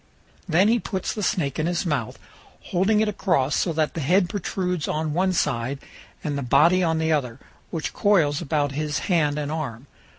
Then he puts the snake in his mouth, holding it across, so that the head protrudes on one side and the body on the other, which coils about his hand and arm.